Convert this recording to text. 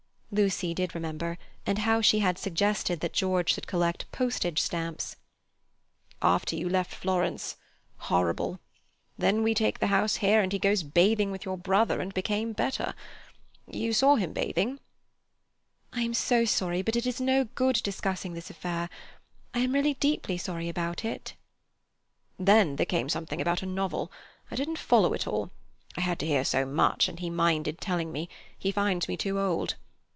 Lucy did remember, and how she had suggested that George should collect postage stamps. "After you left Florence—horrible. Then we took the house here, and he goes bathing with your brother, and became better. You saw him bathing?" "I am so sorry, but it is no good discussing this affair. I am deeply sorry about it." "Then there came something about a novel. I didn't follow it at all; I had to hear so much, and he minded telling me; he finds me too old.